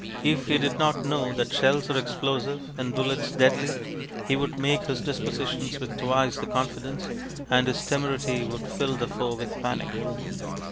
If he did not know that shells are explosive and bullets deadly, he would make his dispositions with twice the confidence, and his temerity would fill the foe with panic.